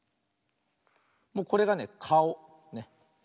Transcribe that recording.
もうこれがねかお。